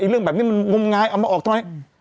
เรื่องแบบนี้มันมง่ายเอามาออกตอนนี้